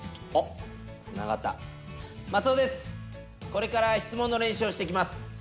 これから質問の練習をしていきます。